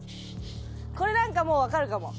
これなんかもうわかるかも。